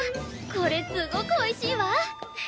これすごくおいしいわ！